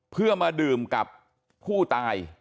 เพื่อมาดื่มกับผู้ตาย